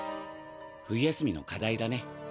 冬休みの課題だね。